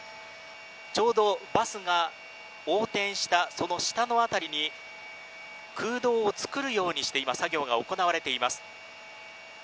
ちょうどバスが横転したその下の辺りに空洞を作るようにして作業が行われています。